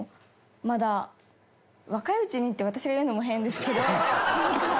まだ若いうちにって私が言うのも変ですけど。